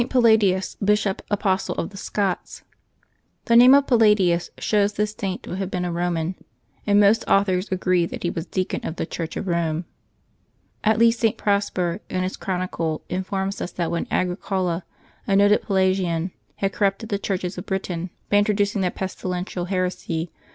PALLADIUS, Bishop, Apostle o£ the Scots, ^=nHE name of Palladms shows this Saint to have been a ^mJ Roman, and most authors agree that he was deacon of the Church of Eome. At least St. Prosper, in his chron icle, informs us that when Agricola, a noted Pelagian, had corrupted the churches of Britain by introducing that pes tilential heresy.